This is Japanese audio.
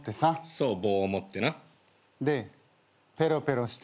そう棒を持ってな。でペロペロしてさ。